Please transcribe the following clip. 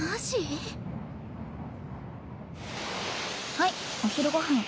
はいお昼ご飯。